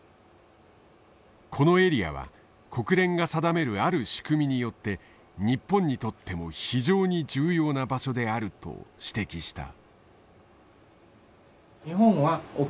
このエリアは国連が定めるある仕組みによって日本にとっても非常に重要な場所であると指摘した。